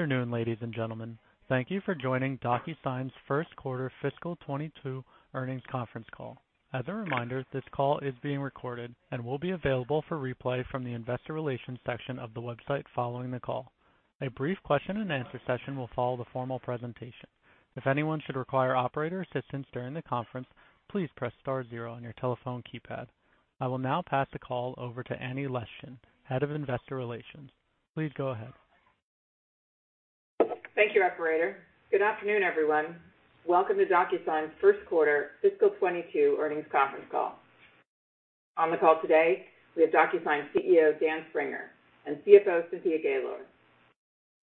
Good afternoon, ladies and gentlemen. Thank you for joining DocuSign's first quarter fiscal 2022 earnings conference call. As a reminder, this call is being recorded and will be available for replay from the investor relations section of the website following the call. A brief question and answer session will follow the formal presentation. If anyone should require operator's assistance during the conference, please press star zero on your telephone keypad. I will now pass the call over to Annie Leschin, Head of Investor Relations. Please go ahead. Thank you, operator. Good afternoon, everyone. Welcome to DocuSign's first quarter fiscal 2022 earnings conference call. On the call today, we have DocuSign CEO, Dan Springer, and CFO, Cynthia Gaylor.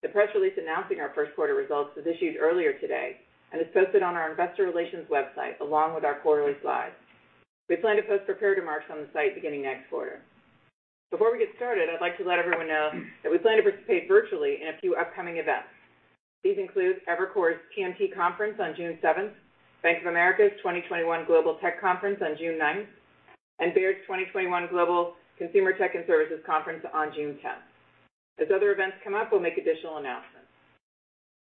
The press release announcing our first quarter results was issued earlier today and is posted on our investor relations website, along with our quarterly slides. We plan to post prepared remarks on the site beginning next quarter. Before we get started, I'd like to let everyone know that we plan to participate virtually in a few upcoming events. These include Evercore's TMT Conference on June 7th, Bank of America's 2021 Global Tech Conference on June 9th, and Baird's 2021 Global Consumer Tech and Services Conference on June 10th. As other events come up, we'll make additional announcements.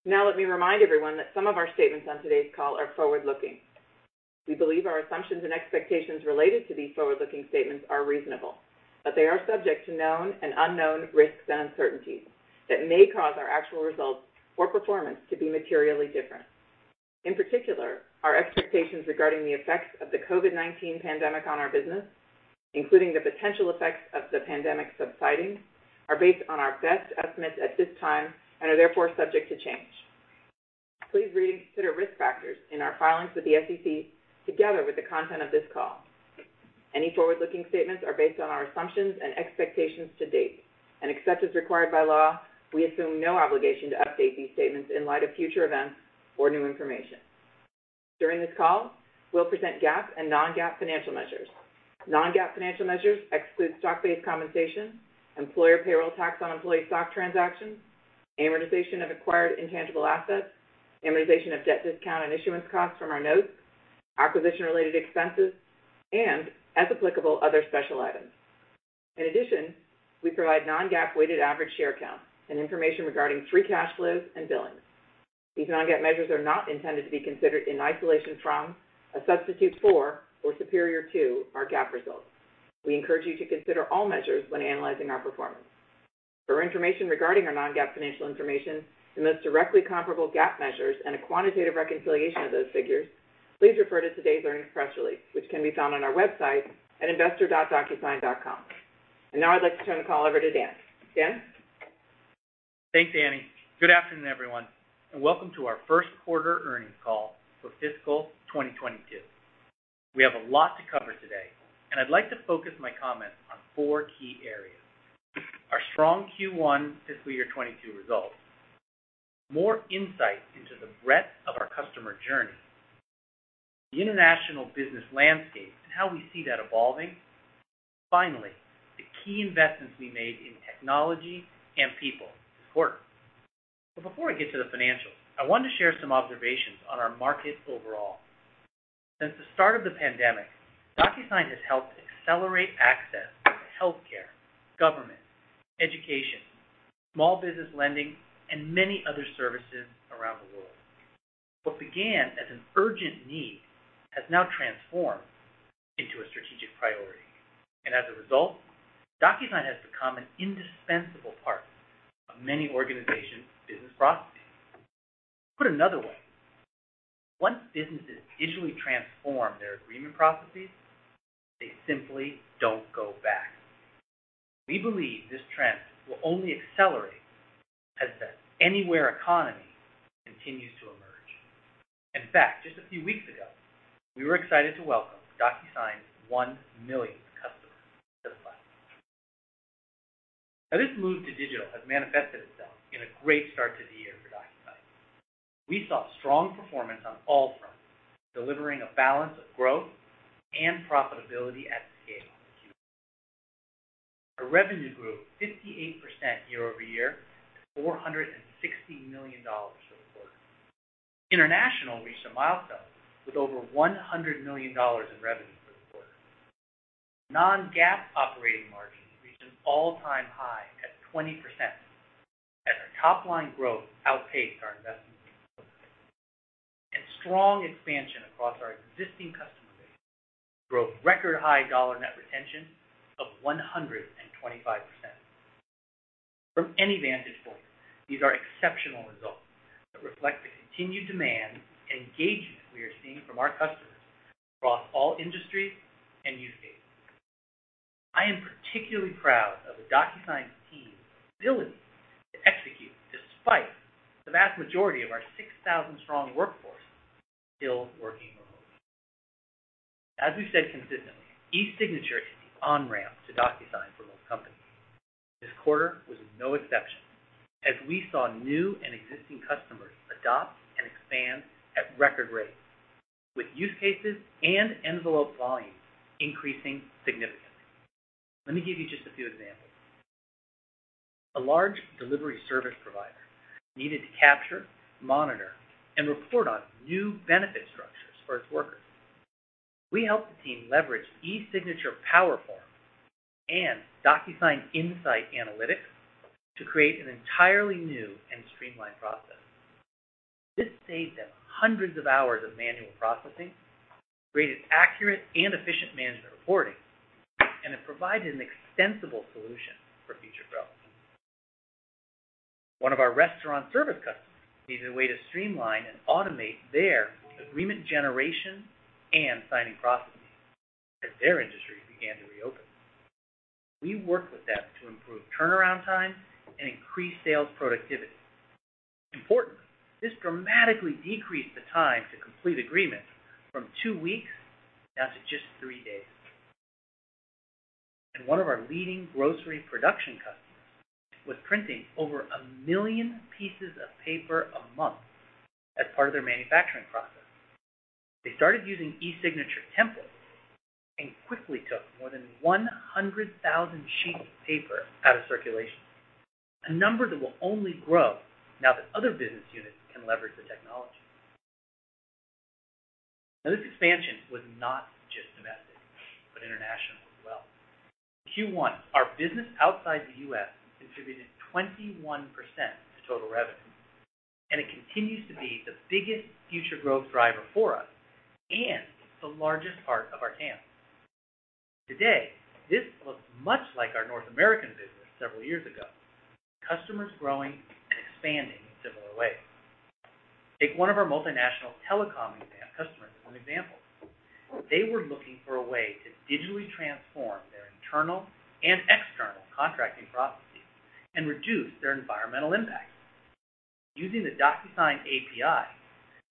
Now, let me remind everyone that some of our statements on today's call are forward-looking. We believe our assumptions and expectations related to these forward-looking statements are reasonable, but they are subject to known and unknown risks and uncertainties that may cause our actual results or performance to be materially different. In particular, our expectations regarding the effects of the COVID-19 pandemic on our business, including the potential effects of the pandemic subsiding, are based on our best estimates at this time and are therefore subject to change. Please read consider risk factors in our filings with the SEC, together with the content of this call. Any forward-looking statements are based on our assumptions and expectations to date, and except as required by law, we assume no obligation to update these statements in light of future events or new information. During this call, we will present GAAP and non-GAAP financial measures. Non-GAAP financial measures exclude stock-based compensation, employer payroll tax on employee stock transactions, amortization of acquired intangible assets, amortization of debt discount and issuance costs from our notes, acquisition-related expenses, and, as applicable, other special items. In addition, we provide non-GAAP weighted average share count and information regarding free cash flow and billings. These non-GAAP measures are not intended to be considered in isolation from, a substitute for, or superior to, our GAAP results. We encourage you to consider all measures when analyzing our performance. For information regarding our non-GAAP financial information and those directly comparable GAAP measures and a quantitative reconciliation of those figures, please refer to today's earnings press release, which can be found on our website at investor.docusign.com. Now I'd like to turn the call over to Dan. Dan? Thanks, Annie. Good afternoon, everyone, and welcome to our first quarter earnings call for fiscal 2022. We have a lot to cover today, and I'd like to focus my comments on four key areas. Our strong Q1 fiscal year 2022 results, more insights into the breadth of our customer journey, the international business landscape and how we see that evolving. Finally, the key investments we made in technology and people support. Before I get to the financials, I want to share some observations on our markets overall. Since the start of the pandemic, DocuSign has helped accelerate access to healthcare, government, education, small business lending, and many other services around the world. What began as an urgent need has now transformed into a strategic priority, and as a result, DocuSign has become an indispensable part of many organizations' business processes. Put another way, once businesses digitally transform their agreement processes, they simply don't go back. We believe this trend will only accelerate as the anywhere economy continues to emerge. In fact, just a few weeks ago, we were excited to welcome DocuSign's 1 millionth customer to the platform. This move to digital has manifested itself in a great start to the year for DocuSign. We saw strong performance on all fronts, delivering a balance of growth and profitability at scale this year. Our revenue grew 58% year-over-year to $460 million for the quarter. International reached a milestone with over $100 million in revenue for the quarter. Non-GAAP operating margin reached an all-time high at 20%, as our top-line growth outpaced our investment in growth. Strong expansion across our existing customer base drove record high dollar net retention of 125%. From any vantage point, these are exceptional results that reflect the continued demand and engagement we are seeing from our customers across all industries and use cases. I am particularly proud of the DocuSign team's ability to execute despite the vast majority of our 6,000-strong workforce still working remotely. As we've said consistently, eSignature is the on-ramp to DocuSign for most companies. This quarter was no exception, as we saw new and existing customers adopt and expand at record rates, with use cases and envelope volumes increasing significantly. Let me give you just a few examples. A large delivery service provider needed to capture, monitor, and report on new benefit structures for its workers. We helped the team leverage eSignature PowerForms and DocuSign Insight analytics to create an entirely new and streamlined process. This saved them hundreds of hours of manual processing, created accurate and efficient management reporting, it provided an extensible solution for future growth. One of our restaurant service customers needed a way to streamline and automate their agreement generation and signing processes as their industry began to reopen. We worked with them to improve turnaround time and increase sales productivity. Importantly, this dramatically decreased the time to complete agreements from two weeks down to just three days. One of our leading grocery production customers was printing over a million pieces of paper a month as part of their manufacturing process. They started using eSignature templates and quickly took more than 100,000 sheets of paper out of circulation, a number that will only grow now that other business units can leverage the technology. This expansion was not just domestic, but international as well. In Q1, our business outside the U.S. contributed 21% to total revenue, and it continues to be the biggest future growth driver for us and the largest part of our TAM. Today, this looks much like our North American business several years ago, with customers growing and expanding in similar ways. Take one of our multinational telecom customers, for example. They were looking for a way to digitally transform their internal and external contracting processes and reduce their environmental impact. Using the DocuSign API,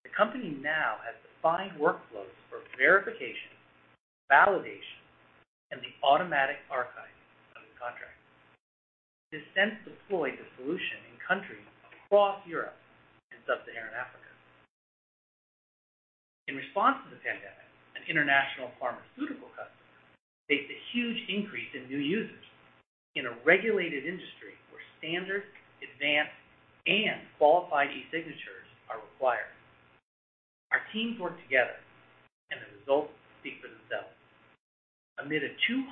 the company now has defined workflows for verification, validation, and the automatic archive of contracts. They've since deployed the solution in countries across Europe and Sub-Saharan Africa. In response to the pandemic, an international pharmaceutical customer faced a huge increase in new users in a regulated industry where standard, advanced, and qualified eSignatures are required. Our teams worked together, and the results speak for themselves. Amid a 270%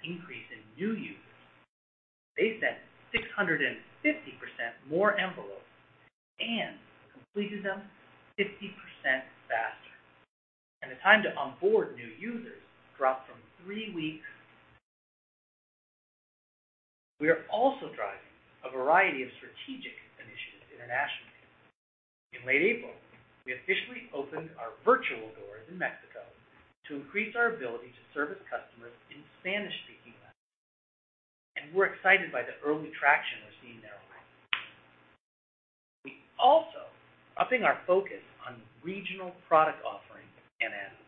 increase in new users, they sent 650% more envelopes and completed them 50% faster. The time to onboard new users dropped from three weeks. We are also driving a variety of strategic initiatives internationally. In late April, we officially opened our virtual doors in Mexico to increase our ability to service customers in Spanish-speaking markets. We're excited by the early traction we're seeing there already. We also are upping our focus on regional product offerings and add-ons.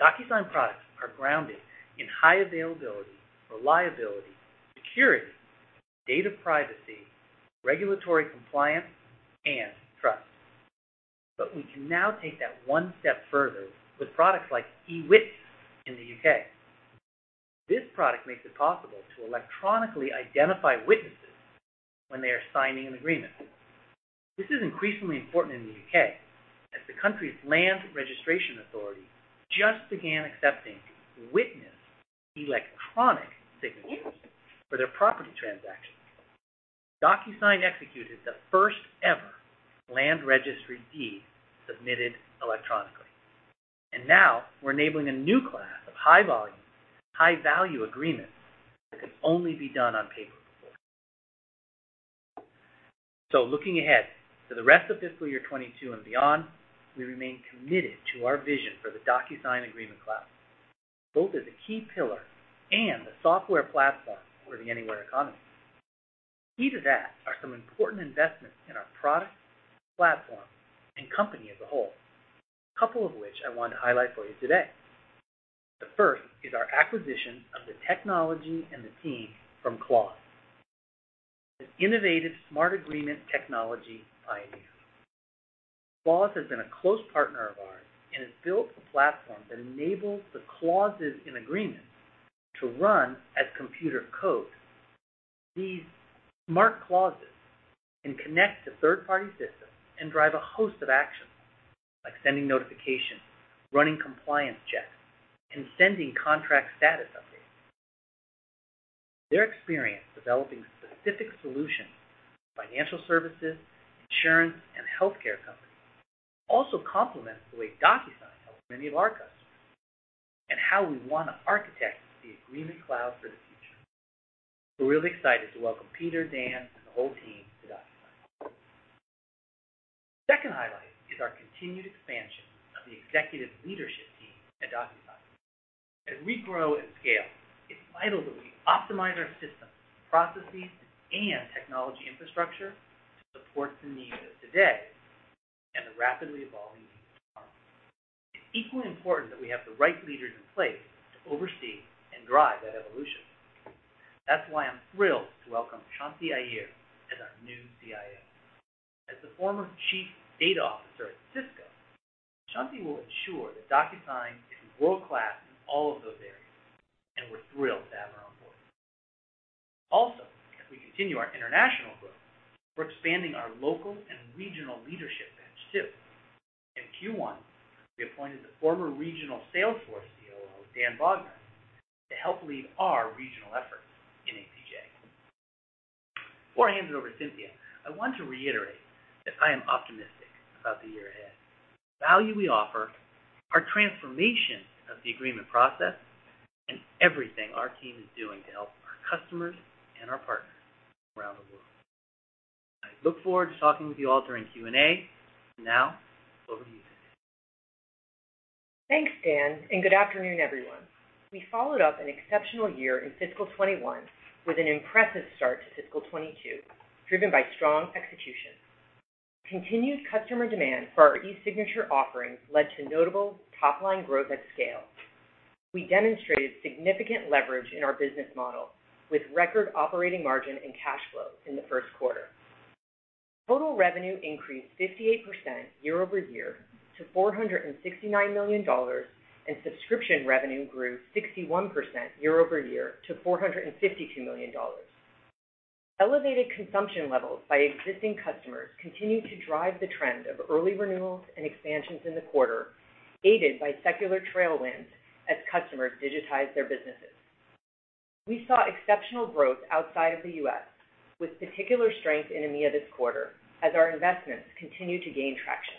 DocuSign products are grounded in high availability, reliability, security, data privacy, regulatory compliance, and trust. We can now take that one step further with products like DocuSign eWitness in the U.K. This product makes it possible to electronically identify witnesses when they are signing an agreement. This is increasingly important in the U.K., as the country's HM Land Registry just began accepting witnessed electronic signatures for their property transactions. DocuSign executed the first-ever land registry deed submitted electronically, and now we're enabling a new class of high-volume, high-value agreements that could only be done on paper before. Looking ahead to the rest of fiscal year 2022 and beyond, we remain committed to our vision for the DocuSign Agreement Cloud, both as a key pillar and a software platform for the anywhere economy. Key to that are some important investments in our products, platform, and company as a whole, a couple of which I want to highlight for you today. The first is our acquisition of the technology and the team from Clause, an innovative smart agreement technology pioneer. Clause has been a close partner of ours and has built a platform that enables the clauses in agreements to run as computer code. These smart clauses can connect to third-party systems and drive a host of actions, like sending notifications, running compliance checks, and sending contract status updates. Their experience developing specific solutions for financial services, insurance, and healthcare companies also complements the way DocuSign helps many of our customers and how we want to architect the Agreement Cloud for the future. We're really excited to welcome Peter, Dan, and the whole team to DocuSign. The second highlight is our continued expansion of the executive leadership team at DocuSign. As we grow and scale, it's vital that we optimize our systems, processes, and technology infrastructure to support the needs of today and the rapidly evolving needs of tomorrow. It's equally important that we have the right leaders in place to oversee and drive that evolution. That's why I'm thrilled to welcome Shanthi Iyer as our new CIO. As the former chief data officer at Cisco, Shanthi will ensure that DocuSign is world-class in all of those areas. As we continue our international growth, we're expanding our local and regional leadership bench too. In Q1, we appointed the former regional Salesforce COO, Dan Bognar, to help lead our regional efforts in APJ. Before I hand it over to Cynthia, I want to reiterate that I am optimistic about the year ahead, the value we offer, our transformation of the agreement process, and everything our team is doing to help our customers and our partners around the world. I look forward to talking with you all during Q&A. Over to you, Cynthia. Thanks, Dan, good afternoon, everyone. We followed up an exceptional year in fiscal 2021 with an impressive start to fiscal 2022, driven by strong execution. Continued customer demand for our eSignature offerings led to notable top-line growth at scale. We demonstrated significant leverage in our business model, with record operating margin and cash flow in the first quarter. Total revenue increased 58% year-over-year to $469 million, and subscription revenue grew 61% year-over-year to $452 million. Elevated consumption levels by existing customers continued to drive the trend of early renewals and expansions in the quarter, aided by secular tailwinds as customers digitized their businesses. We saw exceptional growth outside of the U.S., with particular strength in EMEA this quarter as our investments continue to gain traction.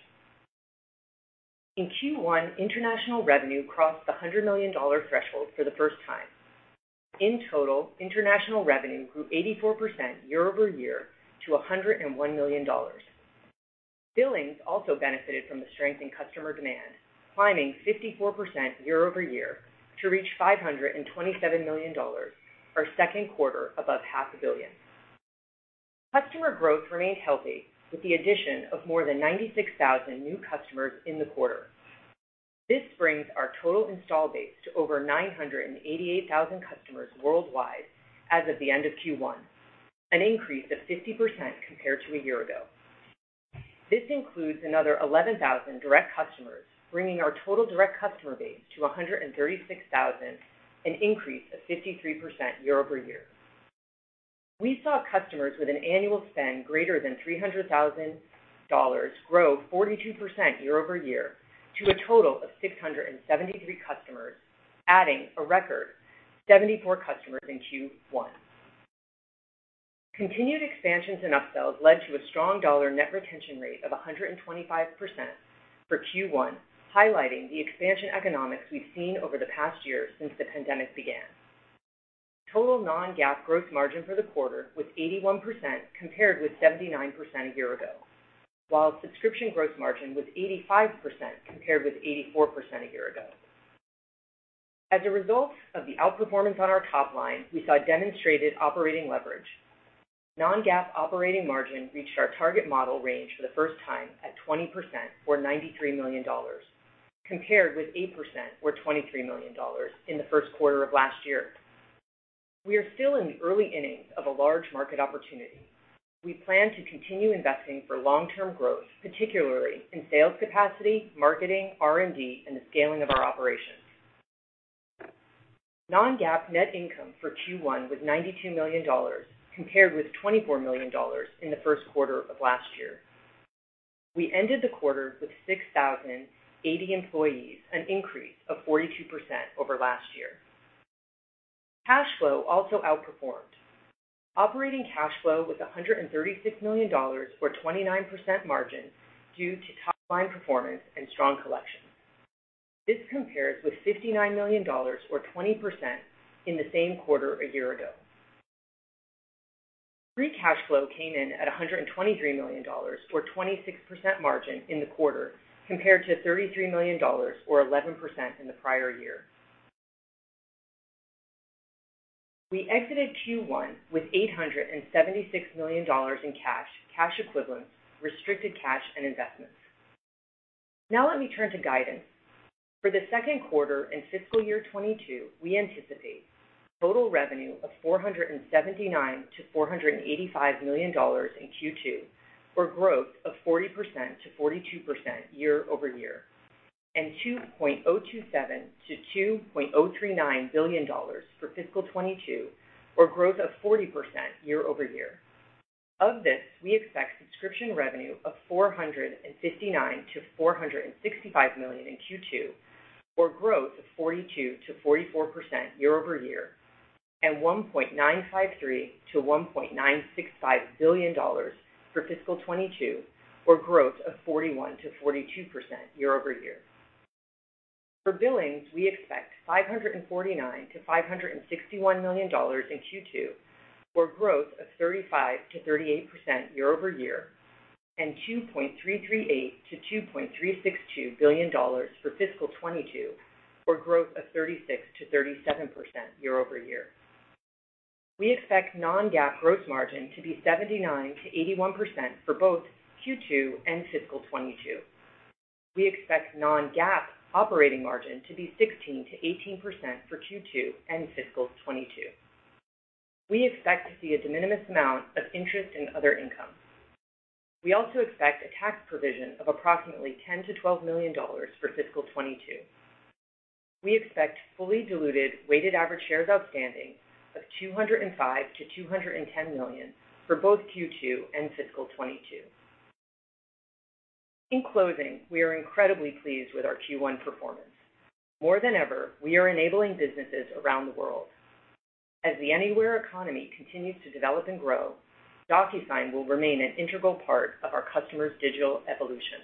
In Q1, international revenue crossed the $100 million threshold for the first time. In total, international revenue grew 84% year-over-year to $101 million. Billings also benefited from the strength in customer demand, climbing 54% year-over-year to reach $527 million, our second quarter above half a billion. Customer growth remained healthy with the addition of more than 96,000 new customers in the quarter. This brings our total install base to over 988,000 customers worldwide as of the end of Q1, an increase of 50% compared to a year ago. This includes another 11,000 direct customers, bringing our total direct customer base to 136,000, an increase of 53% year-over-year. We saw customers with an annual spend greater than $300,000 grow 42% year-over-year to a total of 673 customers, adding a record 74 customers in Q1. Continued expansions and upsells led to a strong dollar net retention rate of 125% for Q1, highlighting the expansion economics we've seen over the past year since the pandemic began. Total non-GAAP gross margin for the quarter was 81% compared with 79% a year ago, while subscription gross margin was 85% compared with 84% a year ago. As a result of the outperformance on our top line, we saw demonstrated operating leverage. Non-GAAP operating margin reached our target model range for the first time at 20% or $93 million, compared with 8% or $23 million in the first quarter of last year. We are still in the early innings of a large market opportunity. We plan to continue investing for long-term growth, particularly in sales capacity, marketing, R&D, and the scaling of our operations. Non-GAAP net income for Q1 was $92 million, compared with $24 million in the first quarter of last year. We ended the quarter with 6,080 employees, an increase of 42% over last year. Cash flow also outperformed. Operating cash flow was $136 million or 29% margin due to top-line performance and strong collections. This compares with $59 million or 20% in the same quarter a year ago. Free cash flow came in at $123 million or 26% margin in the quarter compared to $33 million or 11% in the prior year. We exited Q1 with $876 million in cash equivalents, restricted cash, and investments. Now let me turn to guidance. For the second quarter and fiscal year 2022, we anticipate total revenue of $479 million-$485 million in Q2 or growth of 40%-42% year-over-year, and $2.027 billion-$2.039 billion for fiscal 2022 or growth of 40% year-over-year. Of this, we expect subscription revenue of $459 million-$465 million in Q2 or growth of 42%-44% year-over-year, and $1.953 billion-$1.965 billion for fiscal 2022 or growth of 41%-42% year-over-year. For billings, we expect $549 million-$561 million in Q2 or growth of 35%-38% year-over-year, and $2.338 billion-$2.362 billion for fiscal 2022 or growth of 36%-37% year-over-year. We expect non-GAAP gross margin to be 79%-81% for both Q2 and fiscal 2022. We expect non-GAAP operating margin to be 16%-18% for Q2 and fiscal 2022. We expect to see a de minimis amount of interest and other income. We also expect a tax provision of approximately $10 million-$12 million for fiscal 2022. We expect fully diluted weighted average shares outstanding of 205 million-210 million for both Q2 and fiscal 2022. In closing, we are incredibly pleased with our Q1 performance. More than ever, we are enabling businesses around the world. As the anywhere economy continues to develop and grow, DocuSign will remain an integral part of our customers' digital evolution.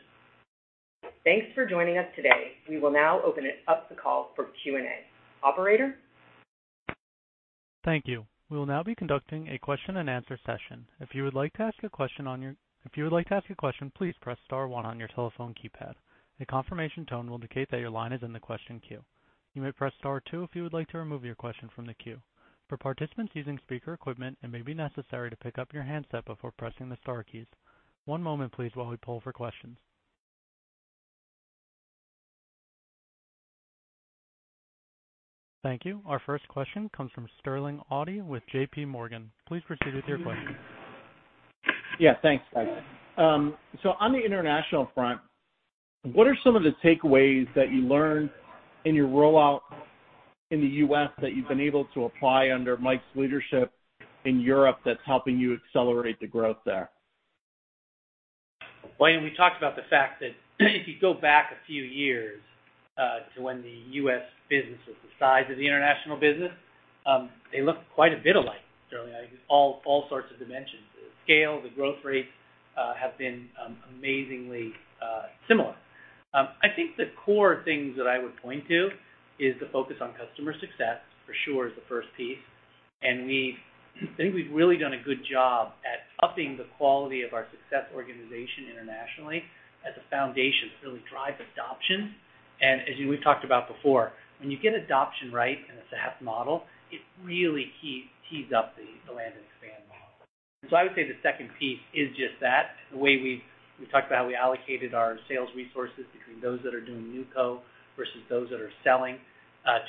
Thanks for joining us today. We will now open up the call for Q&A. Operator? Thank you. We will now be conducting a question and answer session. If you would like to ask a question, please press star one on your telephone keypad. A confirmation tone will indicate that your line is in the question queue. You may press star two if you would like remove your question from the queue. For participants using speaker equipment, it may be necessary to pick up your handset before pressing the star keys. One moment please while we poll for questions. Thank you. Our first question comes from Sterling Auty with JPMorgan. Please proceed with your question. Yeah, thanks. On the international front, what are some of the takeaways that you learned in your rollout in the U.S. that you've been able to apply under Mike's leadership in Europe that's helping you accelerate the growth there? Well, we talked about the fact that if you go back a few years to when the U.S. business was the size of the international business, they look quite a bit alike, Sterling, all sorts of dimensions. The scale, the growth rates have been amazingly similar. I think the core things that I would point to is the focus on customer success, for sure, is the first piece. We think we've really done a good job at upping the quality of our success organization internationally as a foundation to really drive adoption. As you and we talked about before, when you get adoption right in a SaaS model, it really tees up the land and expand model. I would say the second piece is just that, the way we talked about we allocated our sales resources between those that are doing new co versus those that are selling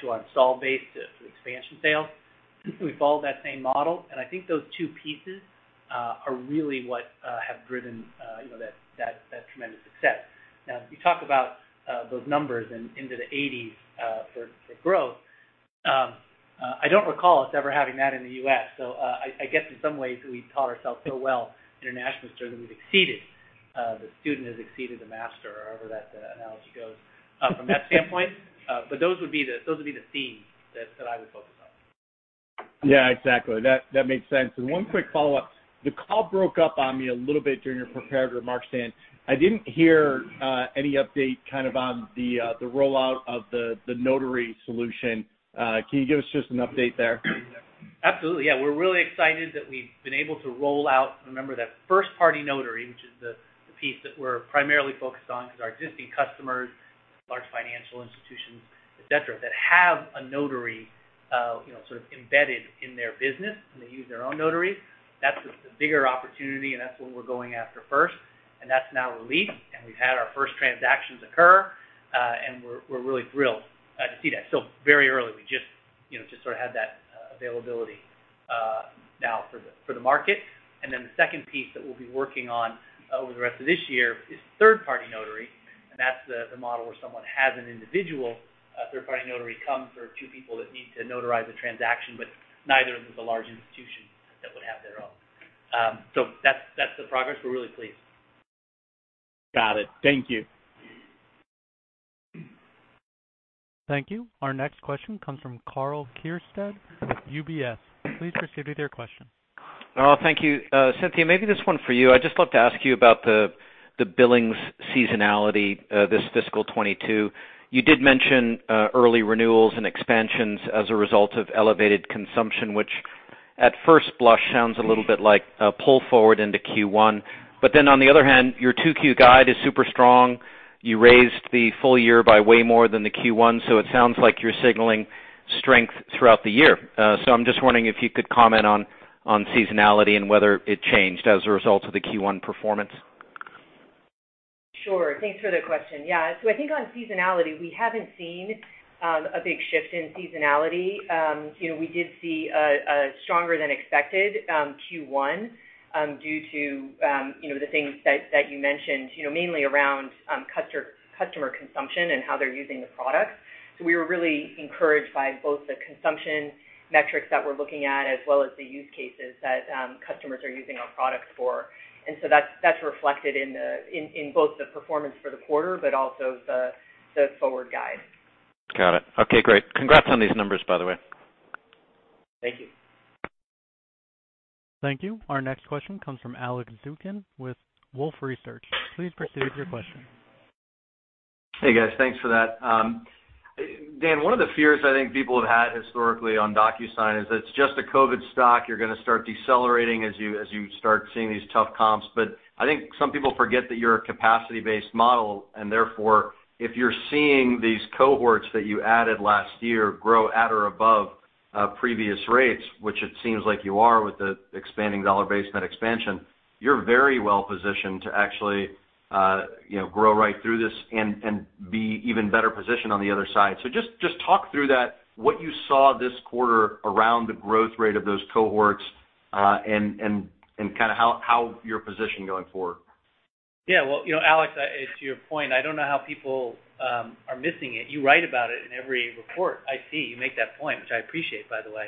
to our installed base as expansion sales. We follow that same model, and I think those two pieces are really what have driven that tremendous success. Now, if you talk about those numbers into the 80s for growth, I don't recall us ever having that in the U.S., so I guess in some ways we've taught ourselves so well internationally, certainly we've exceeded, the student has exceeded the master, however that analogy goes from that standpoint, but those would be the themes that I would focus on. Yeah, exactly. That makes sense. One quick follow-up. The call broke up on me a little bit during your prepared remarks, Dan. I didn't hear any update on the rollout of the notary solution. Can you give us just an update there? Absolutely. Yeah, we're really excited that we've been able to roll out, remember, that first-party notary, which is the piece that we're primarily focused on because our existing customers, large financial institutions, et cetera, that have a notary embedded in their business and they use their own notaries. That's the bigger opportunity, and that's what we're going after first, and that's now released, and we've had our first transactions occur, and we're really thrilled to see that. Still very early. We just had that availability now for the market. The second piece that we'll be working on over the rest of this year is third-party notary, and that's the model where someone has an individual third-party notary come for two people that need to notarize a transaction, but neither of them is a large institution that would have their own. That's the progress. We're really pleased. Got it. Thank you. Thank you. Our next question comes from Karl Keirstead, UBS. Please proceed with your question. Karl, thank you. Cynthia, maybe this one for you. I'd just love to ask you about the billings seasonality this fiscal 2022. You did mention early renewals and expansions as a result of elevated consumption, which at first blush sounds a little bit like a pull forward into Q1. On the other hand, your Q2 guide is super strong. You raised the full year by way more than the Q1, it sounds like you're signaling strength throughout the year. I'm just wondering if you could comment on seasonality and whether it changed as a result of the Q1 performance. Sure. Thanks for the question. Yeah. I think on seasonality, we haven't seen a big shift in seasonality. We did see a stronger than expected Q1 due to the things that you mentioned, mainly around customer consumption and how they're using the product. We were really encouraged by both the consumption metrics that we're looking at as well as the use cases that customers are using our products for. That's reflected in both the performance for the quarter but also the forward guide. Got it. Okay, great. Congrats on these numbers, by the way. Thank you. Thank you. Our next question comes from Alex Zukin with Wolfe Research. Please proceed with your question. Hey, guys. Thanks for that. Dan, one of the fears I think people had historically on DocuSign is it's just a COVID stock. You're going to start decelerating as you start seeing these tough comps. I think some people forget that you're a capacity-based model, and therefore, if you're seeing these cohorts that you added last year grow at or above previous rates, which it seems like you are with the expanding dollar-based net expansion, you're very well positioned to actually grow right through this and be even better positioned on the other side. Just talk through that, what you saw this quarter around the growth rate of those cohorts, and how you're positioned going forward. Alex, to your point, I don't know how people are missing it. You write about it in every report I see. You make that point, which I appreciate, by the way.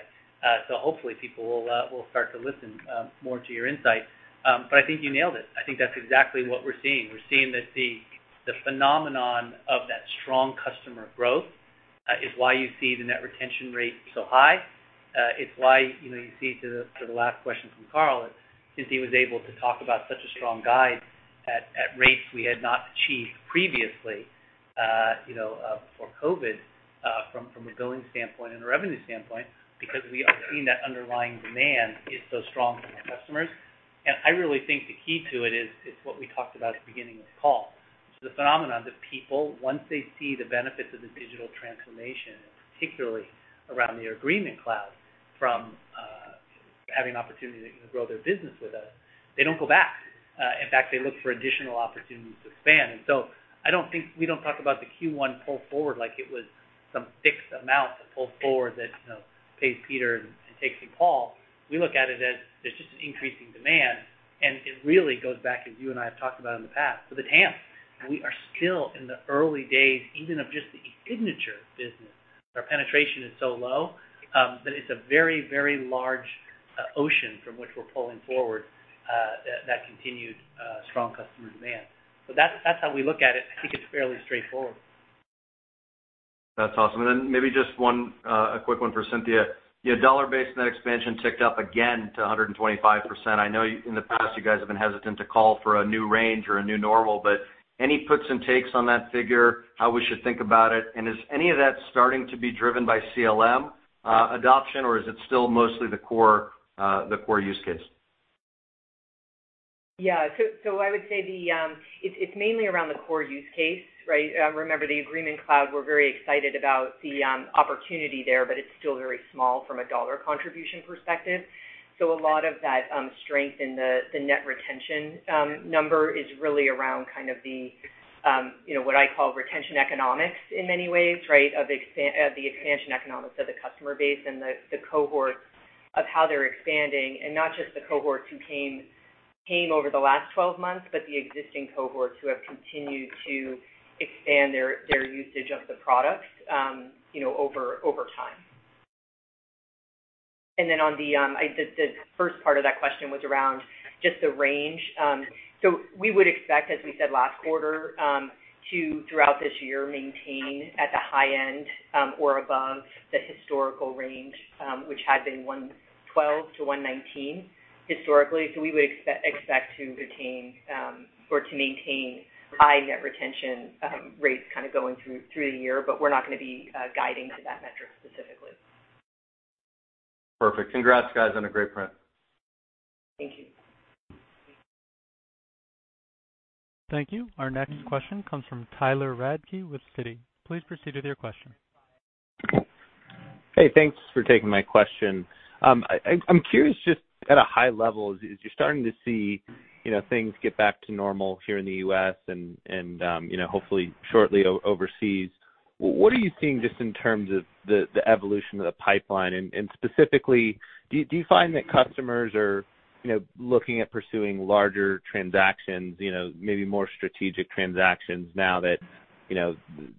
Hopefully, people will start to listen more to your insights. I think you nailed it. I think that's exactly what we're seeing. We're seeing that the phenomenon of that strong customer growth is why you see the net retention rate so high. It's why you see, to the last question from Karl, is he was able to talk about such a strong guide at rates we had not achieved previously before COVID, from a billing standpoint and a revenue standpoint, because we are seeing that underlying demand is so strong from the customers. I really think the key to it is what we talked about at the beginning of the call. The phenomenon that people, once they see the benefits of the digital transformation, and particularly around the DocuSign Agreement Cloud, from having an opportunity to grow their business with us, they don't go back. In fact, they look for additional opportunities to expand. We don't talk about the Q1 pull forward like it was some fixed amount to pull forward that pays Peter and takes from Paul. We look at it as, there's just an increasing demand, and it really goes back, as you and I have talked about in the past, to the TAM. We are still in the early days, even of just the DocuSign eSignature business. Our penetration is so low that it's a very, very large ocean from which we're pulling forward that continued strong customer demand. That's how we look at it. I think it's fairly straightforward. That's awesome. Then maybe just a quick one for Cynthia. Your dollar-based net expansion ticked up again to 125%. I know in the past you guys have been hesitant to call for a new range or a new normal, but any puts and takes on that figure, how we should think about it, and is any of that starting to be driven by CLM adoption, or is it still mostly the core use case? Yeah. I would say it's mainly around the core use case, right? Remember, the DocuSign Agreement Cloud, we're very excited about the opportunity there, but it's still very small from a dollar contribution perspective. A lot of that strength in the net retention number is really around kind of what I call retention economics in many ways, of the expansion economics of the customer base and the cohorts of how they're expanding, and not just the cohorts who came over the last 12 months, but the existing cohorts who have continued to expand their usage of the products over time. The first part of that question was around just the range. We would expect, as we said last quarter, to, throughout this year, maintain at the high end or above the historical range, which had been 112-119 historically. We would expect to retain or to maintain high net retention rates kind of going through the year, but we're not going to be guiding to that metric specifically. Perfect. Congrats, guys, on a great print. Thank you. Thank you. Our next question comes from Tyler Radke with Citi. Please proceed with your question. Hey, thanks for taking my question. I'm curious, just at a high level, as you're starting to see things get back to normal here in the U.S. and hopefully shortly overseas, what are you seeing just in terms of the evolution of the pipeline? Specifically, do you find that customers are looking at pursuing larger transactions, maybe more strategic transactions now that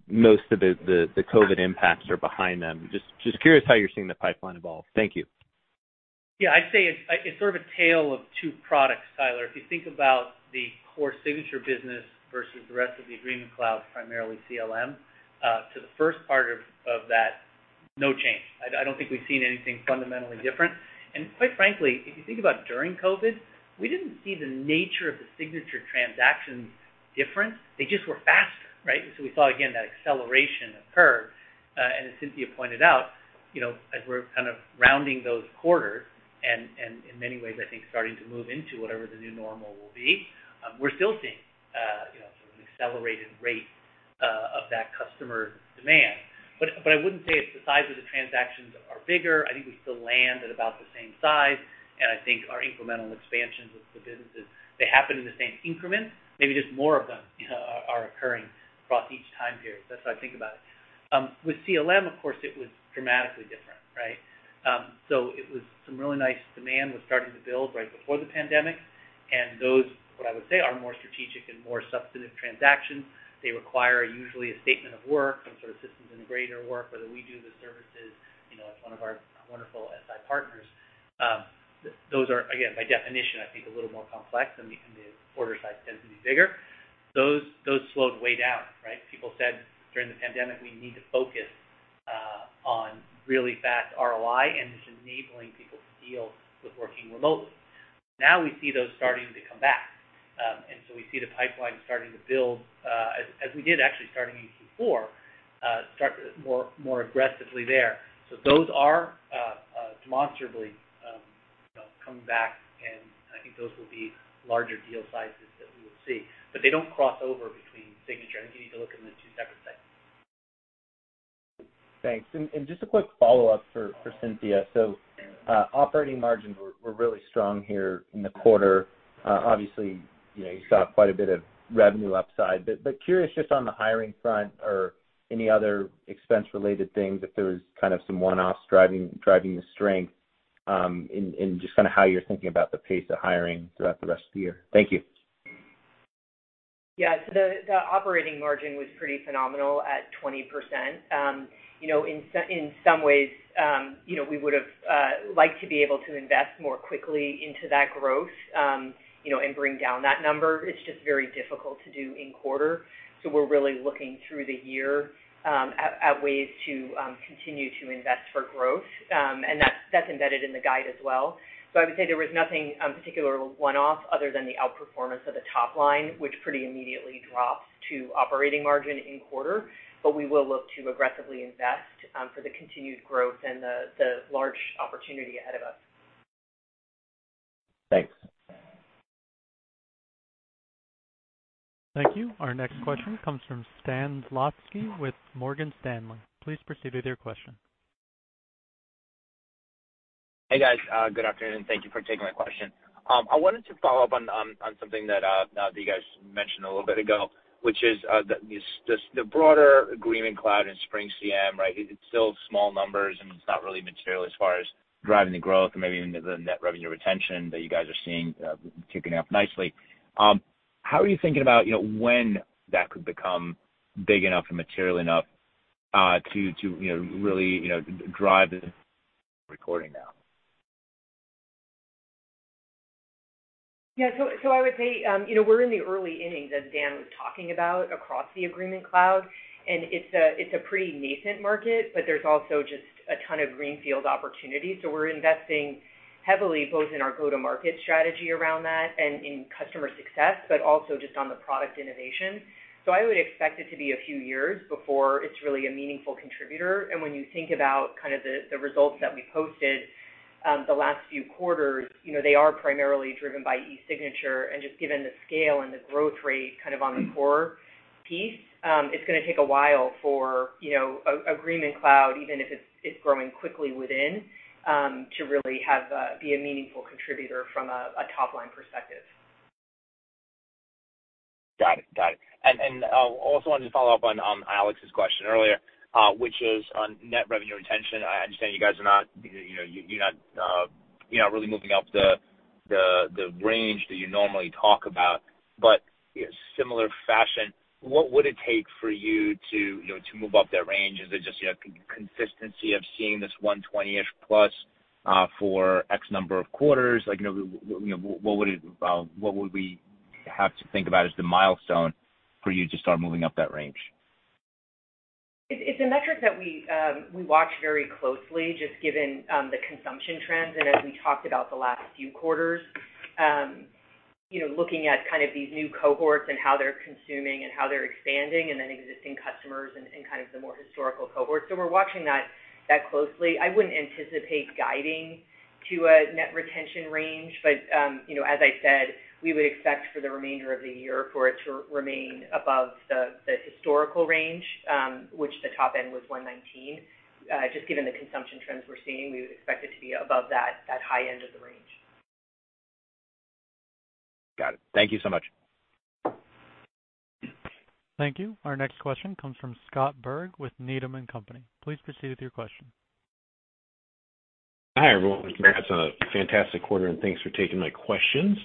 most of the COVID impacts are behind them? Just curious how you're seeing the pipeline evolve. Thank you. Yeah, I'd say it's sort of a tale of two products, Tyler. If you think about the core signature business versus the rest of the Agreement Cloud, primarily CLM, to the first part of that, no change. I don't think we've seen anything fundamentally different. Quite frankly, if you think about during COVID, we didn't see the nature of the signature transactions different. They just were faster, right? We saw, again, that acceleration occur. As Cynthia pointed out, as we're kind of rounding those corners and in many ways, I think, starting to move into whatever the new normal will be, we're still seeing an accelerated rate of that customer demand. I wouldn't say it's the size of the transactions are bigger. I think we still land at about the same size, and I think our incremental expansions of the businesses, they happen in the same increments, maybe just more of them are occurring across each time period. That's how I think about it. With CLM, of course, it was dramatically different, right? Some really nice demand was starting to build right before the pandemic, and those, what I would say, are more strategic and more substantive transactions. They require usually a statement of work, some sort of systems integrator work, whether we do the services, it's one of our wonderful SI partners. Those are, again, by definition, I think, a little more complex, and the order size tends to be bigger. Those slowed way down, right? People said during the pandemic, we need to focus on really fast ROI and just enabling people to deal with working remotely. Now we see those starting to come back. We see the pipeline starting to build, as we did actually starting in Q4, start more aggressively there. They don't cross over between signature. I think you need to look at them as two separate things. Thanks. Just a quick follow-up for Cynthia. Operating margins were really strong here in the quarter. Obviously, you saw quite a bit of revenue upside, but curious just on the hiring front or any other expense-related things, if there was kind of some one-offs driving the strength? Just how you're thinking about the pace of hiring throughout the rest of the year. Thank you. Yeah. The operating margin was pretty phenomenal at 20%. In some ways, we would've liked to be able to invest more quickly into that growth, and bring down that number. It's just very difficult to do in quarter. We're really looking through the year at ways to continue to invest for growth. That's embedded in the guide as well. I would say there was nothing particular one-off other than the outperformance of the top line, which pretty immediately drops to operating margin in quarter. We will look to aggressively invest for the continued growth and the large opportunity ahead of us. Thanks. Thank you. Our next question comes from Stan Zlotsky with Morgan Stanley. Please proceed with your question. Hey, guys. Good afternoon. Thank you for taking my question. I wanted to follow up on something that you guys mentioned a little bit ago, which is the broader Agreement Cloud and SpringCM, right? It's still small numbers, it's not really material as far as driving the growth and maybe even the net revenue retention that you guys are seeing ticking up nicely. How are you thinking about when that could become big enough and material enough to really drive recurring now? I would say, we're in the early innings, as Dan was talking about across the Agreement Cloud. It's a pretty nascent market, but there's also just a ton of greenfield opportunity. We're investing heavily both in our go-to-market strategy around that and in customer success, but also just on the product innovation. I would expect it to be a few years before it's really a meaningful contributor. When you think about the results that we posted the last few quarters, they are primarily driven by eSignature, and just given the scale and the growth rate on the core piece, it's going to take a while for Agreement Cloud, even if it's growing quickly within, to really be a meaningful contributor from a top-line perspective. Got it. I also wanted to follow up on Alex's question earlier, which is on net revenue retention. I understand you guys are not really moving up the range that you normally talk about, similar fashion, what would it take for you to move up that range? Is it just consistency of seeing this 120-ish plus for X number of quarters? What would we have to think about as the milestone for you to start moving up that range? It's a metric that we watch very closely just given the consumption trends that we talked about the last few quarters. Looking at these new cohorts and how they're consuming and how they're expanding, and then existing customers and the more historical cohorts. We're watching that closely. I wouldn't anticipate guiding to a net retention range, but, as I said, we would expect for the remainder of the year for it to remain above the historical range, which the top end was 119. Just given the consumption trends we're seeing, we would expect it to be above that high end of the range. Got it. Thank you so much. Thank you. Our next question comes from Scott Berg with Needham & Company. Please proceed with your question. Hi, everyone. Congratulations on a fantastic quarter, and thanks for taking my questions.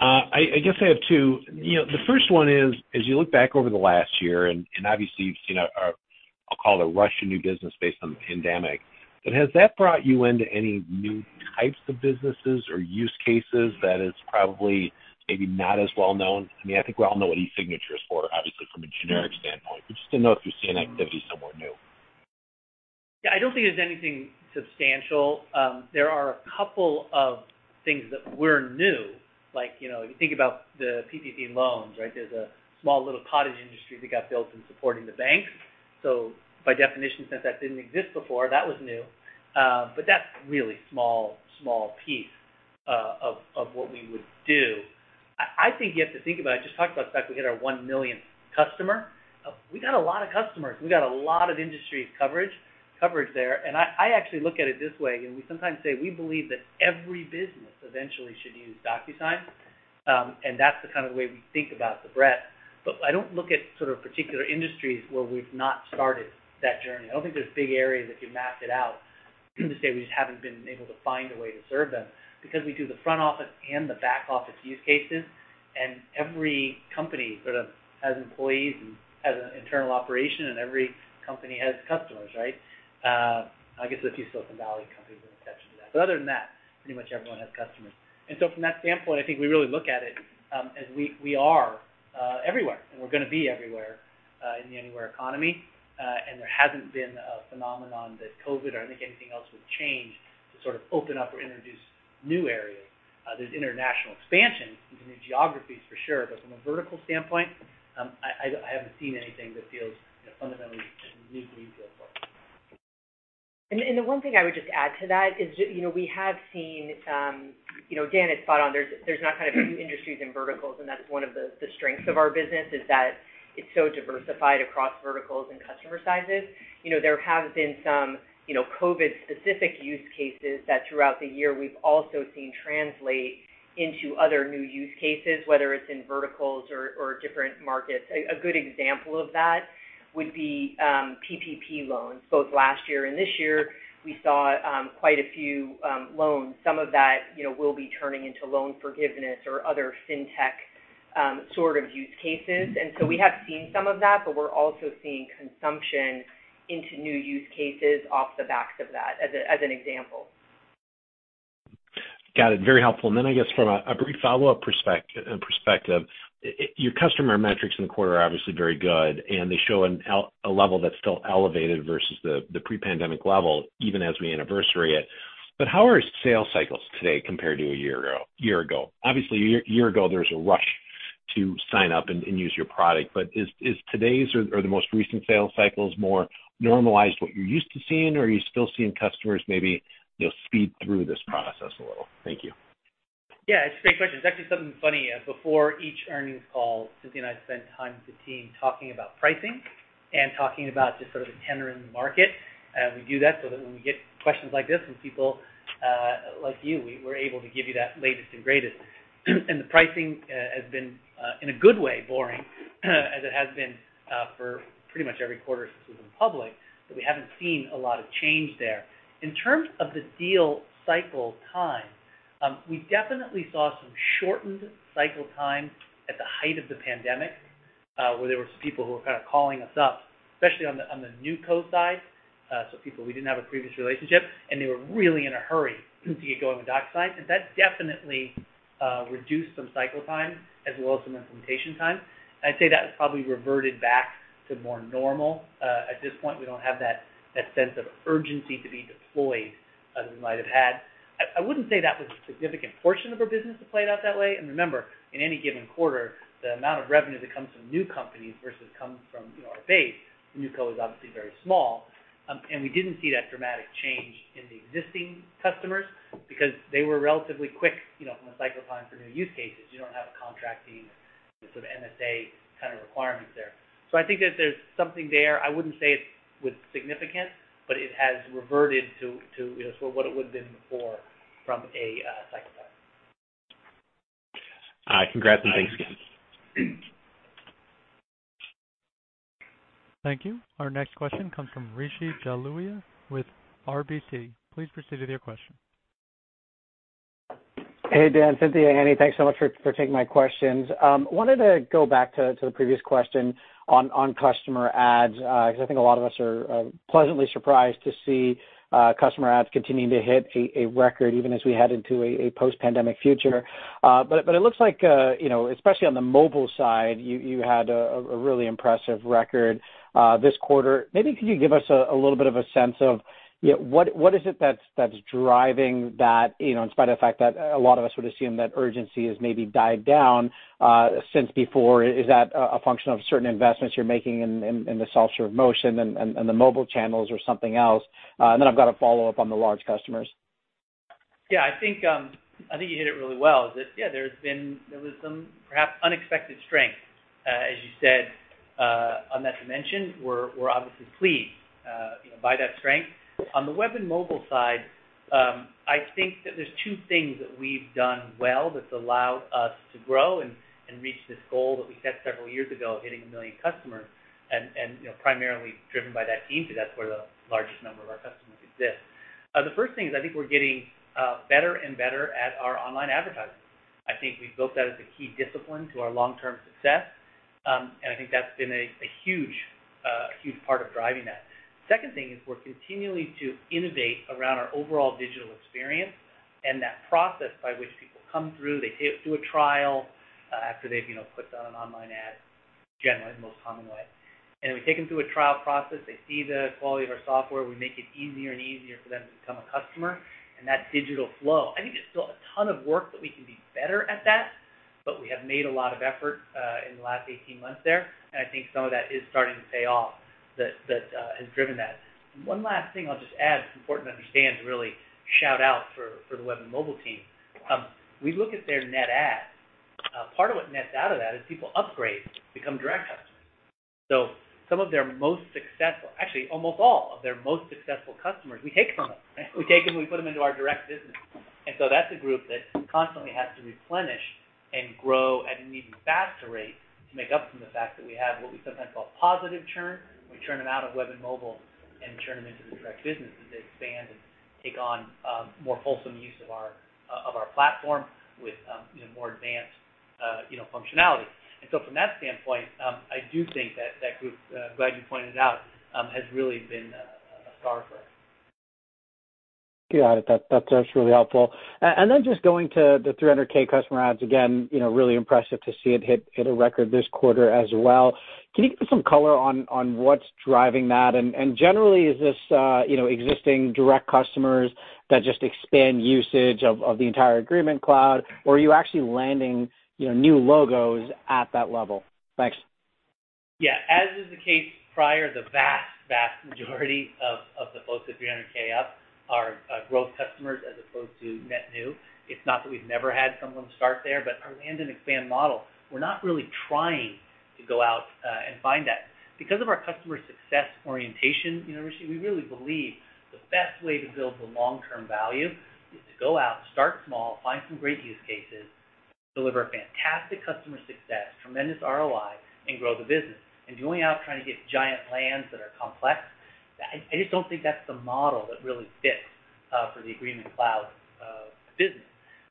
I guess I have two. The first one is, as you look back over the last year, and obviously, I'll call it a rush of new business based on the pandemic, but has that brought you into any new types of businesses or use cases that is probably maybe not as well-known? I think we all know what eSignature's for, obviously, from a generic standpoint. Just want to know if you're seeing activity somewhere new? Yeah, I don't think there's anything substantial. There are a couple of things that were new. If you think about the PPP loans, right? There's a small little cottage industry that got built in supporting the banks. By definition, since that didn't exist before, that was new. That's a really small piece of what we would do. I think you have to think about it. I just talked about the fact that we hit our one millionth customer. We got a lot of customers. We got a lot of industry coverage there, and I actually look at it this way, and we sometimes say we believe that every business eventually should use DocuSign. That's the way we think about the breadth. I don't look at sort of particular industries where we've not started that journey. I don't think there's big areas if you mapped it out to say we haven't been able to find a way to serve them because we do the front office and the back office use cases, and every company sort of has employees and has an internal operation, and every company has customers, right? I guess a few Silicon Valley companies are an exception to that. Other than that, pretty much everyone has customers. From that standpoint, I think we really look at it, and we are everywhere, and we're going to be everywhere in the anywhere economy. There hasn't been a phenomenon that COVID or I think anything else would change to sort of open up or introduce new areas. There's international expansion to new geographies for sure. From a vertical standpoint, I haven't seen anything that feels fundamentally just meaningfully different. The one thing I would just add to that is that we have seen you know Dan is spot on, there's not kind of new industries and verticals, and that's one of the strengths of our business is that it's so diversified across verticals and customer sizes. There have been some COVID-specific use cases that throughout the year we've also seen translate into other new use cases, whether it's in verticals or different markets. A good example of that would be PPP loans. Both last year and this year, we saw quite a few loans. Some of that will be turning into loan forgiveness or other fintech sort of use cases. We have seen some of that, but we're also seeing consumption into new use cases off the backs of that, as an example. Got it. Very helpful. I guess from a brief follow-up perspective, your customer metrics in the quarter are obviously very good, and they show a level that's still elevated versus the pre-pandemic level, even as we anniversary it. How are sale cycles today compared to a year ago? Obviously, a year ago, there was a rush to sign up and use your product. Are the most recent sales cycles more normalized to what you're used to seeing, or are you still seeing customers maybe speed through this process a little? Thank you. Yeah. It's a great question. It's actually something funny. Before each earnings call, Cynthia and I spend time with the team talking about pricing and talking about just sort of the tenor in the market. We do that so that when we get questions like this from people like you, we're able to give you that latest and greatest. The pricing has been, in a good way, boring, as it has been for pretty much every quarter since we've been public, but we haven't seen a lot of change there. In terms of the deal cycle time, we definitely saw some shortened cycle time at the height of the pandemic, where there were some people who were kind of calling us up, especially on the new co. side, so people we didn't have a previous relationship, and they were really in a hurry to get going with DocuSign. That definitely reduced some cycle time as well as some implementation time. I'd say that has probably reverted back to more normal. At this point, we don't have that sense of urgency to be deployed as we might have had. I wouldn't say that was a significant portion of our business that played out that way. Remember, in any given quarter, the amount of revenue that comes from new companies versus comes from our base, the new co. is obviously very small. We didn't see that dramatic change in the existing customers because they were relatively quick from a cycle time for new use cases. You don't have contracting sort of MSA kind of requirements there. I think that there's something there. I wouldn't say it was significant, but it has reverted to what it would've been before from a cycle time. Congrats and thanks again. Thank you. Our next question comes from Rishi Jaluria with RBC. Please proceed with your question. Hey, Dan, Cynthia, Annie, thanks so much for taking my questions. Wanted to go back to the previous question on customer adds, because I think a lot of us are pleasantly surprised to see customer adds continuing to hit a record even as we head into a post-pandemic future. It looks like, especially on the mobile side, you had a really impressive record this quarter. Maybe could you give us a little bit of a sense of what is it that's driving that, in spite of the fact that a lot of us would assume that urgency has maybe died down since before? Is that a function of certain investments you're making in the self-serve motion and the mobile channels or something else? I've got a follow-up on the large customers. Yeah. I think you hit it really well, is that, yeah, there was some perhaps unexpected strength, as you said, on that dimension. We're obviously pleased by that strength. On the web and mobile side, I think that there's two things that we've done well that's allowed us to grow and reach this goal that we set several years ago of hitting a million customers, and primarily driven by that team, because that's where the largest number of our customers exist. The first thing is I think we're getting better and better at our online advertising. I think we've built that as a key discipline to our long-term success, and I think that's been a huge part of driving that. Second thing is we're continuing to innovate around our overall digital experience and that process by which people come through, they do a trial after they've clicked on an online ad, generally the most common way. We take them through a trial process. They see the quality of our software. We make it easier and easier for them to become a customer, and that digital flow. I think there's still a ton of work that we can be better at that, but we have made a lot of effort in the last 18 months there, and I think some of that is starting to pay off, that has driven that. One last thing I'll just add that's important to understand to really shout out for the web and mobile team. We look at their net adds. Part of what nets out of that is people upgrade to become direct customers. Some of their most successful, actually almost all of their most successful customers, we take from them. We take them, we put them into our direct business. That's a group that constantly has to replenish and grow at an even faster rate to make up from the fact that we have what we sometimes call positive churn. We churn them out of web and mobile and churn them into the direct business as they expand and take on more fulsome use of our platform with more advanced functionality. From that standpoint, I do think that that group, glad you pointed out, has really been a star for us. Got it. That's really helpful. Then just going to the 300,000 customer adds, again, really impressive to see it hit a record this quarter as well. Can you give us some color on what's driving that? Generally, is this existing direct customers that just expand usage of the entire Agreement Cloud, or are you actually landing new logos at that level? Thanks. Yeah. As is the case prior, the vast majority of the folks at 300,000 up are growth customers as opposed to net new. It's not that we've never had some of them start there, but our land and expand model, we're not really trying to go out and find that. Because of our customer success orientation, Rishi, we really believe the best way to build the long-term value is to go out, start small, find some great use cases, deliver fantastic customer success, tremendous ROI, and grow the business. Going out trying to get giant lands that are complex, I just don't think that's the model that really fits for the Agreement Cloud business.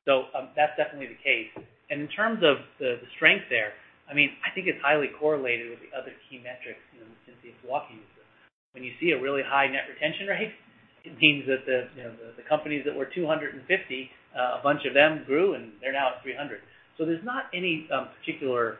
That's definitely the case. In terms of the strength there, I think it's highly correlated with the other key metrics, since the user. When you see a really high net retention rate, it means that the companies that were 250, a bunch of them grew, and they're now at 300. There's not any particular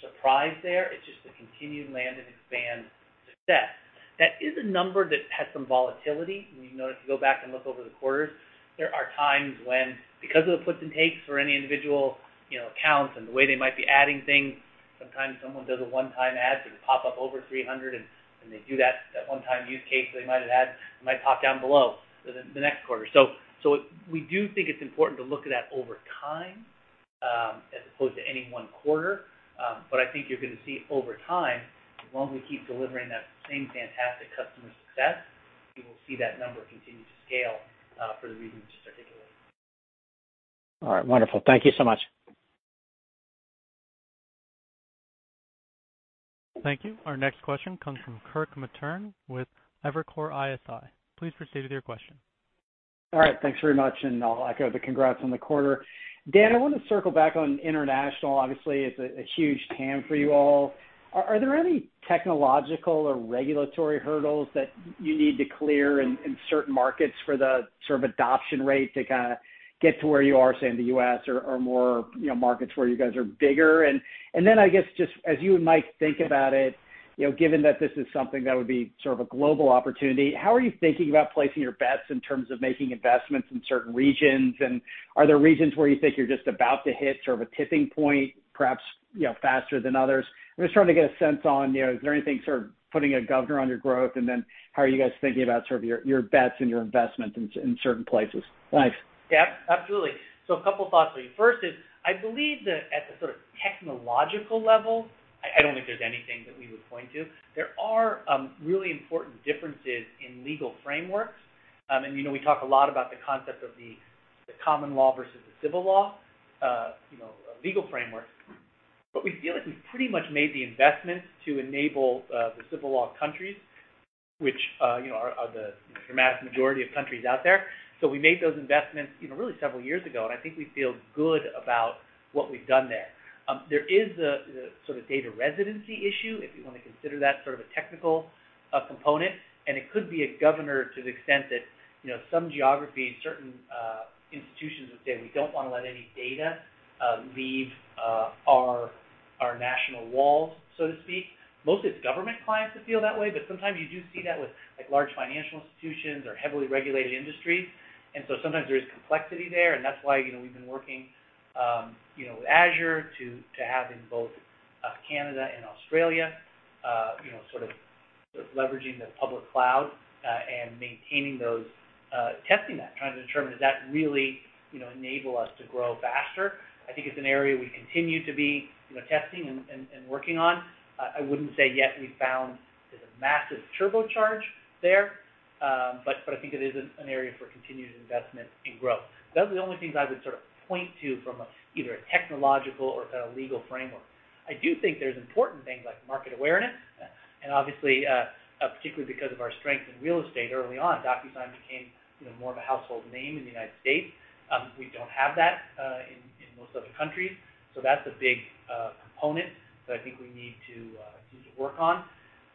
surprise there. It's just a continued land and expand success. That is a number that has some volatility. You notice if you go back and look over the quarters, there are times when, because of the puts and takes for any individual accounts and the way they might be adding things, sometimes someone does a one-time add, so they pop up over 300, and they do that one-time use case that they might have had, it might pop down below the next quarter. We do think it's important to look at that over time, as opposed to any one quarter. I think you're going to see over time, as long as we keep delivering that same fantastic customer success, you will see that number continue to scale for the reasons just articulated. All right, wonderful. Thank you so much. Thank you. Our next question comes from Kirk Materne with Evercore ISI. Please proceed with your question. All right, thanks very much, and I'll echo the congrats on the quarter. Dan, I want to circle back on international. Obviously, it's a huge TAM for you all. Are there any technological or regulatory hurdles that you need to clear in certain markets for the sort of adoption rate to kind of get to where you are, say, in the U.S. or more markets where you guys are bigger? Then I guess just as you and Mike think about it, given that this is something that would be sort of a global opportunity, how are you thinking about placing your bets in terms of making investments in certain regions? Are there regions where you think you're just about to hit sort of a tipping point, perhaps faster than others? I'm just trying to get a sense on, is there anything sort of putting a governor on your growth? How are you guys thinking about sort of your bets and your investments in certain places? Thanks. Yeah, absolutely. A couple thoughts for you. First is, I believe that at the sort of technological level, I don't think there's anything that we would point to. There are really important differences in legal frameworks. We talk a lot about the concept of the common law versus the civil law, legal frameworks. We feel like we've pretty much made the investments to enable the civil law countries, which are the dramatic majority of countries out there. We made those investments really several years ago, and I think we feel good about what we've done there. There is a sort of data residency issue, if you want to consider that sort of a technical component, and it could be a governor to the extent that some geographies, certain institutions would say, "We don't want to let any data leave our national walls," so to speak. Mostly it's government clients that feel that way, but sometimes you do see that with large financial institutions or heavily regulated industries. Sometimes there is complexity there, and that's why we've been working with Azure to have in both Canada and Australia, sort of leveraging the public cloud, and maintaining those, testing that, trying to determine, does that really enable us to grow faster? I think it's an area we continue to be testing and working on. I wouldn't say yet we've found there's a massive turbocharge there, but I think it is an area for continued investment and growth. Those are the only things I would sort of point to from either a technological or kind of legal framework. I do think there's important things like market awareness, obviously, particularly because of our strength in real estate early on, DocuSign became more of a household name in the United States. We don't have that in most other countries, that's a big component that I think we need to continue to work on.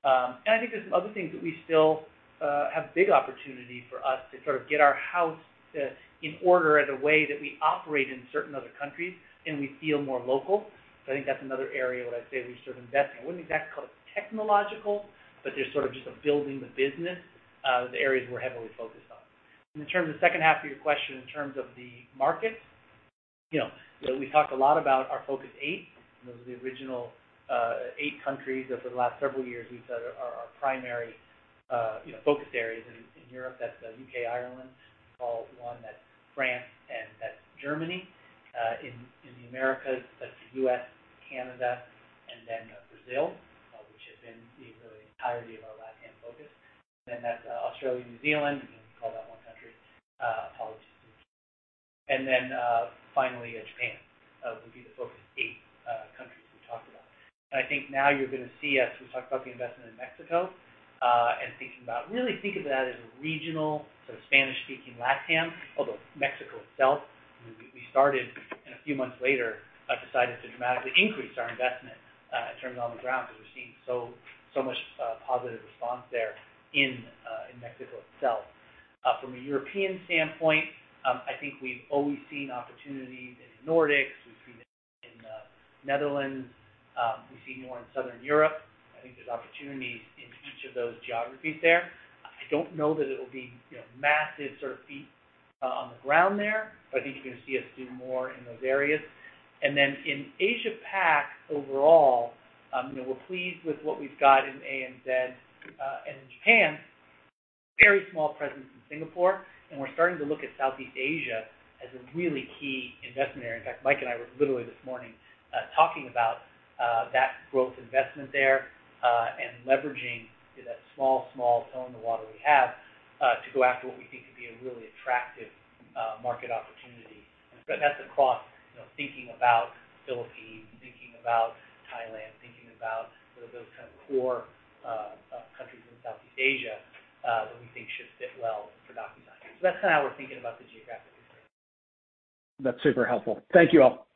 I think there's some other things that we still have big opportunity for us to sort of get our house in order in the way that we operate in certain other countries, and we feel more local. I think that's another area where I say we sort of invest in. I wouldn't exactly call it technological, there's sort of just building the business, the areas we're heavily focused on. In terms of the second half of your question, in terms of the markets, we talked a lot about our focus eight. Those are the original eight countries over the last several years we've said are our primary focus areas. In Europe, that's the U.K., Ireland, call it one. That's France, that's Germany. In the Americas, that's the U.S., Canada, and then Brazil, which has been the really entirety of our LATAM focus. That's Australia, New Zealand. We call that one country, apologies. Finally, Japan would be the focus eight countries we talked about. I think now you're going to see, as we talked about the investment in Mexico, and really think of that as a regional sort of Spanish-speaking LATAM, although Mexico itself, we started, and a few months later, decided to dramatically increase our investment in terms of on the ground because we're seeing so much positive response there in Mexico itself. From a European standpoint, I think we've always seen opportunities in the Nordics, we've seen it in the Netherlands, we see more in Southern Europe. I think there's opportunities in each of those geographies there. I don't know that it'll be massive sort of feet on the ground there, but I think you're going to see us do more in those areas. In Asia-Pac overall, we're pleased with what we've got in ANZ and in Japan. Very small presence in Singapore, and we're starting to look at Southeast Asia as a really key investment area. In fact, Mike and I were literally this morning talking about that growth investment there, and leveraging that small toe in the water we have to go after what we think to be a really attractive market opportunity. That's across thinking about Philippines, thinking about Thailand, thinking about those kind of core countries in Southeast Asia that we think should fit well for DocuSign. That's kind of how we're thinking about the geographic expansion. That's super helpful. Thank you all.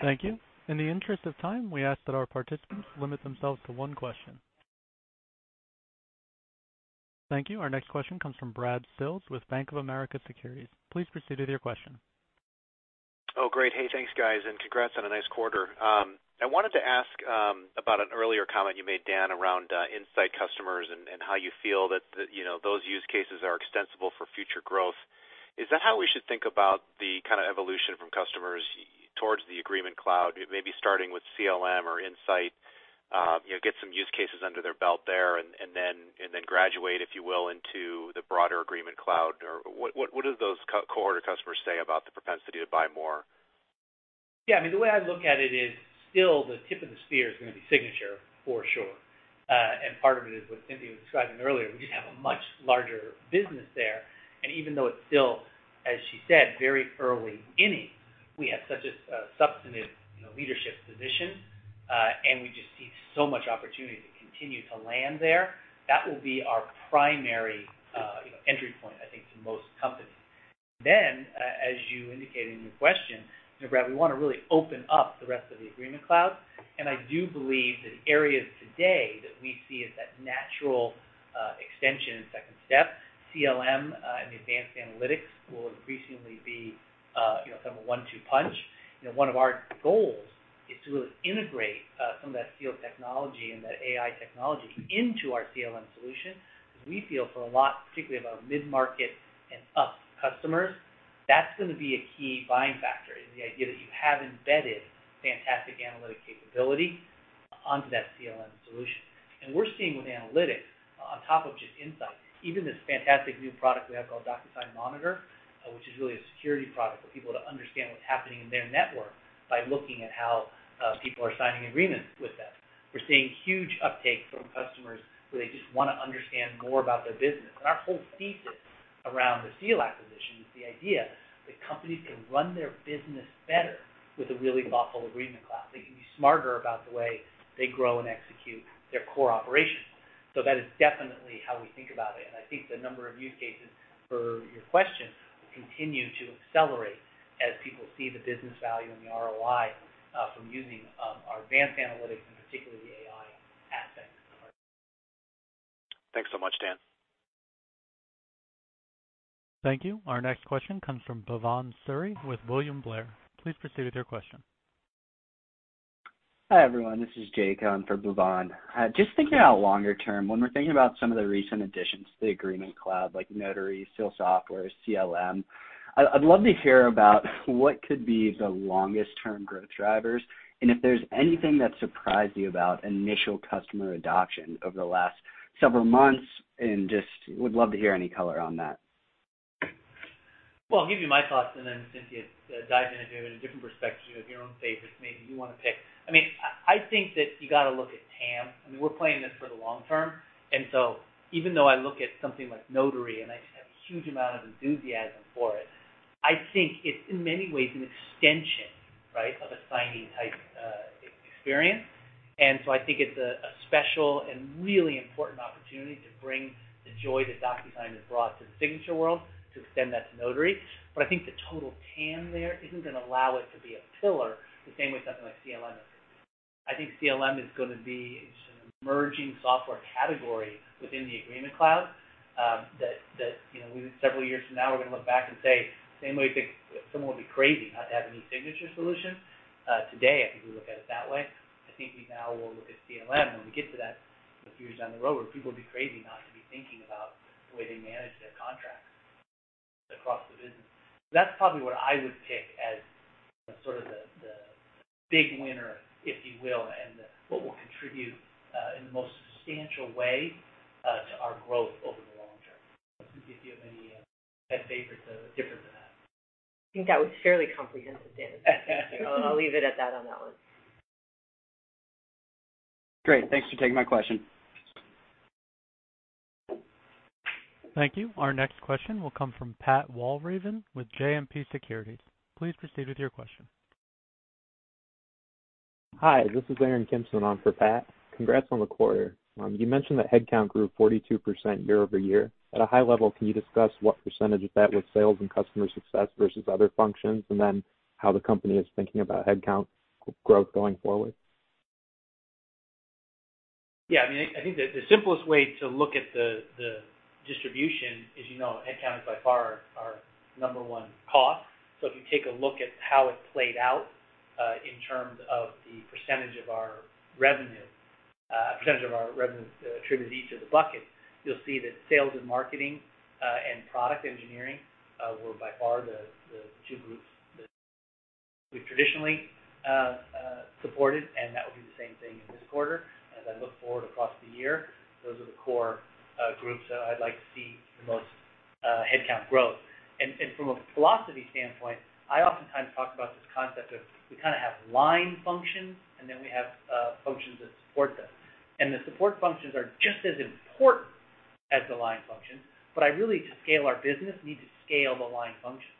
Thank you. In the interest of time, we ask that our participants limit themselves to one question. Thank you. Our next question comes from Brad Sills with Bank of America Securities. Please proceed with your question. Oh, great. Hey, thanks, guys, and congrats on a nice quarter. I wanted to ask about an earlier comment you made, Dan, around Insight customers and how you feel that those use cases are extensible for future growth. Is that how we should think about the evolution from customers towards the Agreement Cloud, maybe starting with CLM or Insight, get some use cases under their belt there, and then graduate, if you will, into the broader Agreement Cloud? What do those core customers say about the propensity to buy more? Yeah, the way I'm looking at it is still the tip of the spear is going to be signature for sure. Part of it is what Cynthia was describing earlier. We just have a much larger business there. Even though it's still, as she said, very early innings, we have such a substantive leadership position, and we just see so much opportunity to continue to land there. That will be our primary entry point, I think, to most companies. Then, as you indicated in your question, Brad, we want to really open up the rest of the Agreement Cloud. I do believe that areas today that we see as that natural extension and second step, CLM and advanced analytics will increasingly be a one-two punch. One of our goals is to really integrate some of that Seal technology and that AI technology into our CLM solution. Because we feel for a lot, particularly of our mid-market and up customers, that's going to be a key buying factor is the idea that you have embedded fantastic analytic capability onto that CLM solution. We're seeing with analytics on top of just Insight, even this fantastic new product we have called DocuSign Monitor, which is really a security product for people to understand what's happening in their network by looking at how people are signing agreements with them. We're seeing huge uptake from customers where they just want to understand more about their business. Our whole thesis around the Seal acquisition is the idea that companies can run their business better with a really thoughtful Agreement Cloud. They can be smarter about the way they grow and execute their core operations. That is definitely how we think about it. I think the number of use cases for your question will continue to accelerate as people see the business value and the ROI from using our advanced analytics and particularly the AI aspects of our technology. Thanks so much, Dan. Thank you. Our next question comes from Bhavan Suri with William Blair. Please proceed with your question. Hi, everyone. This is Jay coming on for Bhavan. Just thinking out longer term, when we're thinking about some of the recent additions to the Agreement Cloud, like Notary, Seal Software, CLM, I'd love to hear about what could be the longest-term growth drivers, and if there's anything that surprised you about initial customer adoption over the last several months, and just would love to hear any color on that. I'll give you my thoughts and then Cynthia dive in if you have a different perspective, you have your own favorites maybe you want to pick. I think that you got to look at TAM. We're playing this for the long term, and so even though I look at something like Notary and I just have huge amount of enthusiasm for it, I think it's in many ways an extension of a signing type experience. I think it's a special and really important opportunity to bring the joy that DocuSign has brought to the signature world to extend that to Notary. I think the total TAM there isn't going to allow it to be a pillar the same way something like CLM is. I think CLM is going to be this emerging software category within the Agreement Cloud, that several years from now, we're going to look back and say, same way someone would be crazy not to have any signature solution. Today, I think we look at it that way. I think we now will look at CLM when we get to that a few years down the road, where people will be crazy not to be thinking about the way they manage their contracts across the business. That's probably what I would pick as sort of the big winner, if you will, and what will contribute in the most substantial way to our growth over the long term. I'm not sure if you have any favorites different than that. I think that was fairly comprehensive, Dan. I'll leave it at that on that one. Great. Thanks for taking my question. Thank you. Our next question will come from Pat Walravens with JMP Securities. Please proceed with your question. Hi, this is Aaron Kimson on for Pat. Congrats on the quarter. You mentioned that headcount grew 42% year-over-year. At a high level, can you discuss what percentage of that was sales and customer success versus other functions, and then how the company is thinking about headcount growth going forward? Yeah, I think that the simplest way to look at the distribution is, as you know, headcount is by far our number one cost. If you take a look at how it played out, in terms of the percentage of our revenue attributed to each of the buckets, you'll see that sales and marketing, and product engineering, were by far the two groups that we traditionally supported, and that would be the same thing in this quarter. As I look forward across the year, those are the core groups that I'd like to see the most headcount growth. From a philosophy standpoint, I oftentimes talk about this concept of we have line functions, and then we have functions that support those. The support functions are just as important as the line functions, but I really, to scale our business, need to scale the line functions.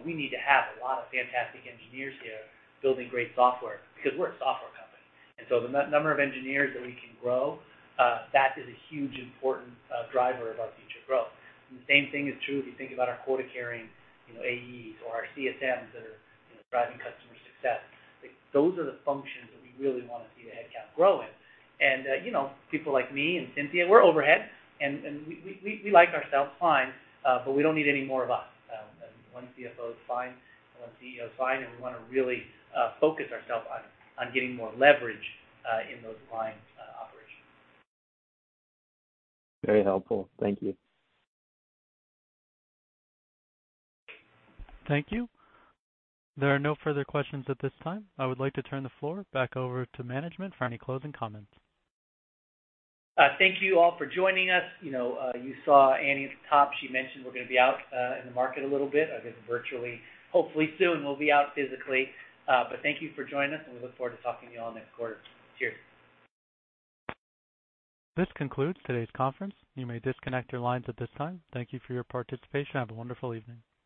We need to have a lot of fantastic engineers there building great software because we're a software company. The number of engineers that we can grow, that is a huge important driver of our future growth. The same thing is true if you think about our quota-carrying AEs or our CSMs that are driving customer success. Those are the functions that we really want to see the headcount grow in. People like me and Cynthia, we're overhead, and we like ourselves fine, but we don't need any more of us. One CFO is fine, one CEO is fine, and we want to really focus ourselves on getting more leverage in those line operations. Very helpful. Thank you. Thank you. There are no further questions at this time. I would like to turn the floor back over to management for any closing comments. Thank you all for joining us. You saw Annie at the top. She mentioned we're going to be out in the market a little bit, I think virtually. Hopefully soon we'll be out physically. But thank you for joining us, and we look forward to talking to you all next quarter. Cheers. This concludes today's conference. You may disconnect your lines at this time. Thank you for your participation. Have a wonderful evening.